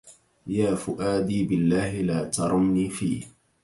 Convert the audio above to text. يا فؤادي بالله لا ترمني في